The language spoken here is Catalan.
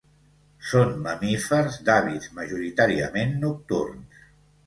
Són mamífers d'hàbits majoritàriament nocturns.